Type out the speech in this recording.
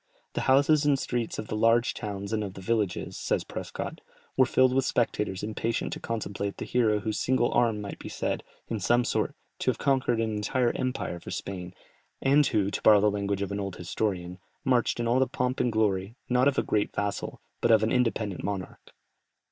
"The houses and streets of the large towns and of the villages," says Prescott, "were filled with spectators impatient to contemplate the hero whose single arm might be said, in some sort, to have conquered an empire for Spain, and who, to borrow the language of an old historian, marched in all the pomp and glory, not of a great vassal, but of an independent monarch."